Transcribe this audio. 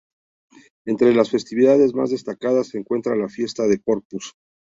Entre las festividades más destacadas se encuentra la fiesta del Corpus.